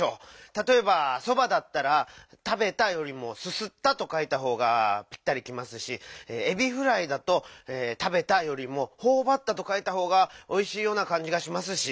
たとえば「そば」だったら「たべた」よりも「すすった」とかいたほうがピッタリきますし「エビフライ」だと「たべた」よりも「ほおばった」とかいたほうがおいしいようなかんじがしますし。